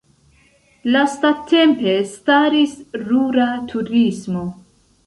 Lastatempe startis rura turismo.